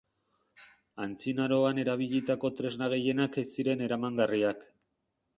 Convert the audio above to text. Antzinaroan erabilitako tresna gehienak ez ziren eramangarriak.